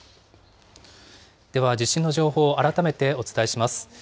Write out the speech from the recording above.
では地震の情報を改めてお伝えします。